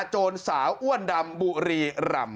โจรสาวอ้วนดำบุรีรำ